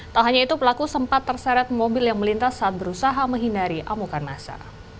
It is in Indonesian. tak hanya itu pelaku sempat terseret mobil yang melintas saat berusaha menghindari amukan masa